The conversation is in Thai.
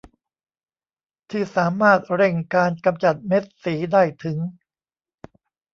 ที่สามารถเร่งการกำจัดเม็ดสีได้ถึง